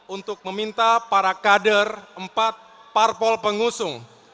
untuk meminta para kader empat parpol pengusung